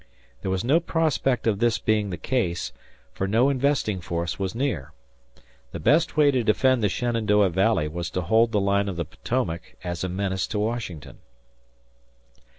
There was no prospect of this being the case, for no investing force was near. The best way to defend the Shenandoah Valley was to hold the line of the Potomac as a menace to Washington.